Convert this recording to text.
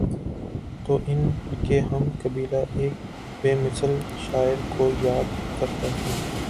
تو ان کے ہم قبیلہ ایک بے مثل شاعرکو یا دکرتا ہوں۔